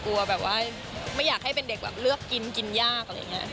กลัวแบบว่าไม่อยากให้เป็นเด็กแบบเลือกกินกินยากอะไรอย่างนี้